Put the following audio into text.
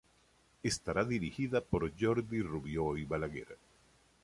Estará dirigida por Jordi Rubió i Balaguer.